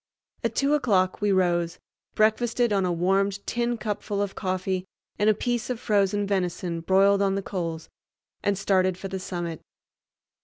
At two o'clock we rose, breakfasted on a warmed tin cupful of coffee and a piece of frozen venison broiled on the coals, and started for the summit.